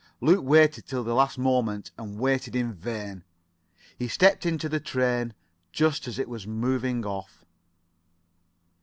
Luke waited till the last moment, and waited in vain. He stepped into the train just as it was moving off.